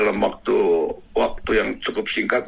dalam waktu yang cukup singkat